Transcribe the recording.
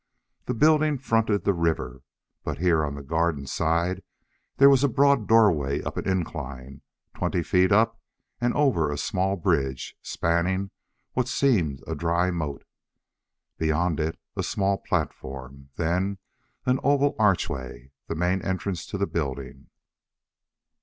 The building fronted the river, but here on the garden side there was a broad doorway up an incline, twenty feet up and over a small bridge, spanning what seemed a dry moat. Beyond it, a small platform, then an oval archway, the main entrance to the building.